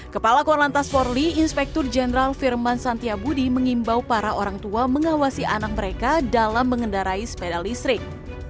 kepala korlantas forli inspektur jenderal firman santiabudi mengimbau para orang tua mengawasi anak mereka dalam mengendarai sepeda listrik